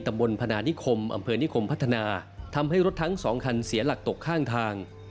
บนพนานิคมอำเภอนิคมพัฒนาทำให้รถทั้งสองคันเสียหลักตกข้างทาง